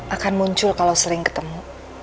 akan muncul kalau sering ketemu